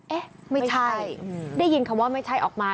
เอ๊ะไม่ใช่ได้ยินคำว่าไม่ใช่ออกมา